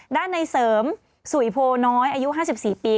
ด้านในเสริมสุยโพน้อยอายุ๕๔ปี